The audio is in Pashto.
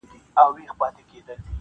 • یو موږک را څه په سپینو سترګو وړی,